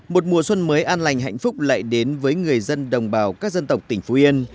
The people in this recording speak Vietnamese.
một mùa xuân mới an lành hạnh phúc lại đến với người dân đồng bào các dân tộc tỉnh phú yên